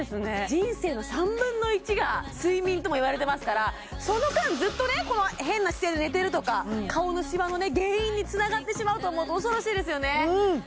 人生の３分の１が睡眠ともいわれてますからその間ずっとね変な姿勢で寝てるとか顔のシワのね原因につながってしまうと思うと恐ろしいですよね